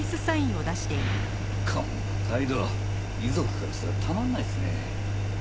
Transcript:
こんな態度遺族からしたらたまんないですね。